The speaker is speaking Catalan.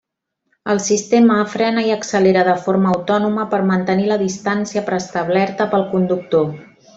El sistema frena i accelera de forma autònoma per mantenir la distància preestablerta pel conductor.